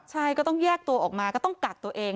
ใช่ก็ต้องแยกตัวออกมาก็ต้องกักตัวเอง